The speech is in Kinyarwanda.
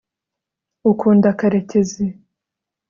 ukunda karekezi